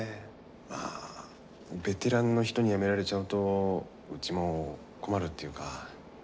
まあベテランの人に辞められちゃうとうちも困るっていうか。